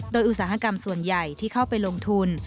โดยอุตสาหกรรมส่วนใหญ่ที่เข้าไปลงทุน